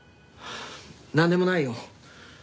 なんでもないよ。